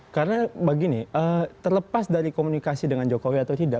karena begini terlepas dari komunikasi dengan jokowi atau tidak